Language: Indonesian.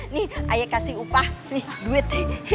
nih ayah kasih upah nih duit nih